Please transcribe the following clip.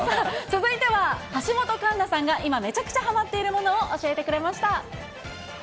続いては、橋本環奈ちゃんが今めちゃくちゃはまっているものを教えてくれました。